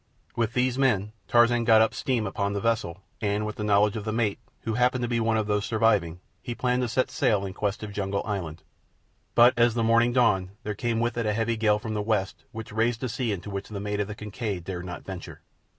With these men Tarzan got up steam upon the vessel, and with the knowledge of the mate, who happened to be one of those surviving, he planned to set out in quest of Jungle Island; but as the morning dawned there came with it a heavy gale from the west which raised a sea into which the mate of the Kincaid dared not venture.